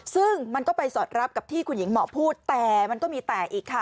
ซึ่งมันก็ไปสอดรับกับที่คุณหญิงหมอพูดแต่มันก็มีแต่อีกค่ะ